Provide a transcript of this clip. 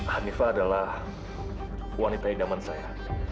hanifah adalah wanita idaman saya